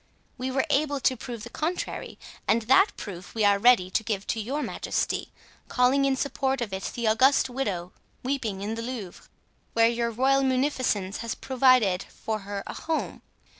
We were able to prove the contrary, and that proof we are ready to give to your majesty, calling in support of it the august widow weeping in the Louvre, where your royal munificence has provided for her a home.